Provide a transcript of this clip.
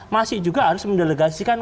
masih juga harus mendelegasikan